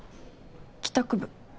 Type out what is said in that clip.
帰宅部。